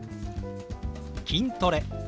「筋トレ」。